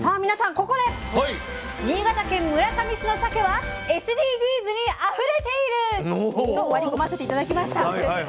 ここで「新潟県村上市のさけはＳＤＧｓにあふれている」と割り込ませて頂きました。